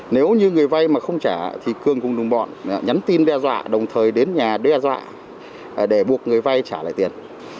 nếu như người vay mà không trả thì cường cùng đồng bọn nhắn tin đe dọa đồng thời đến nhà đe dọa để buộc người vay trả lại tiền